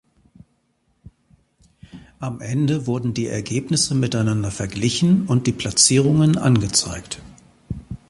Am Ende wurden die Ergebnisse miteinander verglichen und die Platzierungen angezeigt.